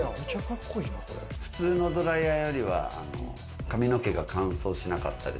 普通のドライヤーよりは髪の毛が乾燥しなかったり。